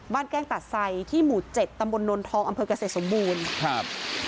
แกล้งตัดใส่ที่หมู่เจ็ดตำบลนนทองอำเภอกเกษตรสมบูรณ์ครับ